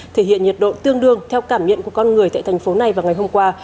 thể hiện nhiệt độ tương đương theo cảm nhận của con người tại thành phố này vào ngày hôm qua